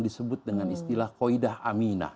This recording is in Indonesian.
disebut dengan istilah koidah aminah